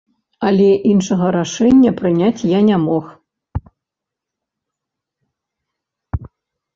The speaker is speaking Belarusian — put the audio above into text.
Але іншага рашэння прыняць я не мог.